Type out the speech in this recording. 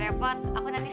karena udah tidur